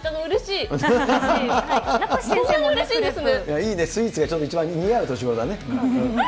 いいね、スイーツが一番似合う年頃だね。